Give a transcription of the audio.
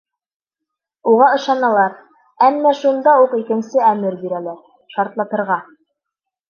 Уға ышаналар, әммә шунда уҡ икенсе әмер бирәләр: шартлатырға!